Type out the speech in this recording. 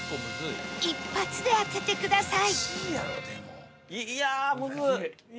一発で当ててください